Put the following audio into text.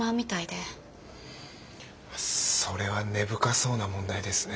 それは根深そうな問題ですね。